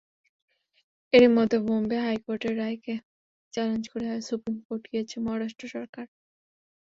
এরই মধ্যে বোম্বে হাইকোর্টের রায়কে চ্যালেঞ্জ করে সুপ্রিম কোর্ট গিয়েছে মহারাষ্ট্র সরকার।